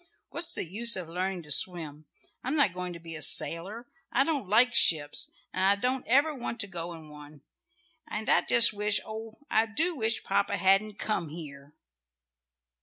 What's the use of learning to swim? I'm not going to be a sailor. I don't like ships, and I don't want ever to go in one, and I just wish, oh, I do wish papa hadn't come here!"